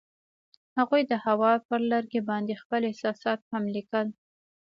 هغوی د هوا پر لرګي باندې خپل احساسات هم لیکل.